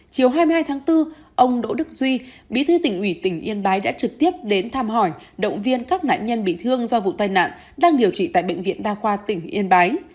chiều hai mươi hai tháng bốn ông đỗ đức duy bí thư tỉnh ủy tỉnh yên bái đã trực tiếp đến thăm hỏi động viên các nạn nhân bị thương do vụ tai nạn đang điều trị tại bệnh viện đa khoa tỉnh yên bái